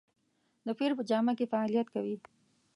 د پیر په جامه کې فعالیت کوي.